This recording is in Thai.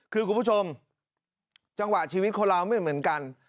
คือคุณผู้ชมจังหวะชีวิตคนเราไม่เหมือนกัน